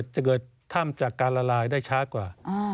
จะเกิดถ้ำจากการละลายได้ช้ากว่า